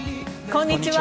こんにちは。